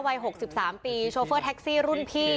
วัย๖๓ปีโชเฟอร์แท็กซี่รุ่นพี่